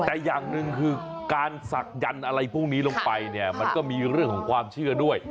แต่อย่างหนึ่งคือการศักยันต์อะไรพวกนี้ลงไปเนี่ยมันก็มีเรื่องของความเชื่อด้วย